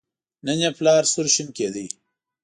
نن یې پلار سور شین کېده.